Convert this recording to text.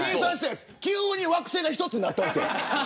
急に惑星が一つになったんです。